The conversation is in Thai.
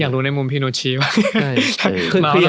อยากรู้ในมุมพี่นุชชิวะ